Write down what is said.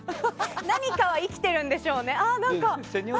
何かは生きてるんでしょうね。